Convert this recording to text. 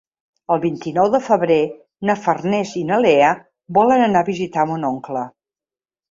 El vint-i-nou de febrer na Farners i na Lea volen anar a visitar mon oncle.